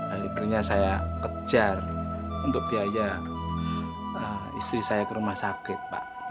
akhirnya saya kejar untuk biaya istri saya ke rumah sakit